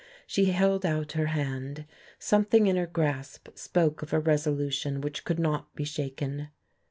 She held out her hand. Something in her grasp spoke of a resolution which could not be shaken.